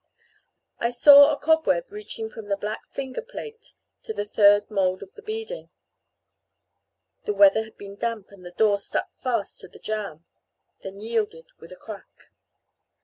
I saw a cobweb reaching from the black finger plate to the third mould of the beading. The weather had been damp, and the door stuck fast to the jamb, then yielded with a crack.